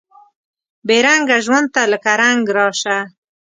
بې رنګه ژوند ته لکه رنګ راسه